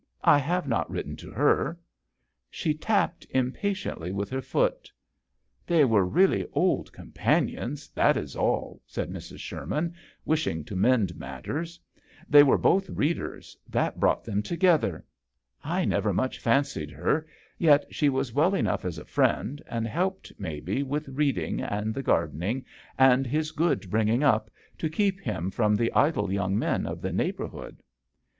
I have not written to her." She tapped impatiently with her foot. "They were really old com panions that is all," said Mrs. Sherman, wishing to mend matters. "They were both readers ; that brought them together. I never much fancied her. Yet she was well enough as a friend, and helped, maybe, with reading, and the gardening, and his good bringing up, to keep him from the idle young men of the neighbourhood."